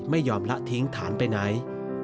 ไม่ยอมละทิ้งฐานไปไหน